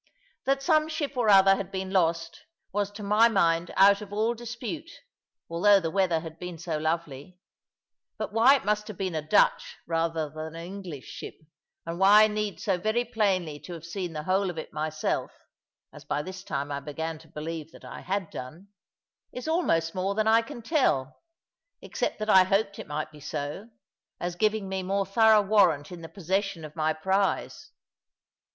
That some ship or other had been lost, was to my mind out of all dispute, although the weather had been so lovely; but why it must have been a Dutch rather than an English ship, and why I need so very plainly have seen the whole of it myself (as by this time I began to believe that I had done), is almost more than I can tell, except that I hoped it might be so, as giving me more thorough warrant in the possession of my prize.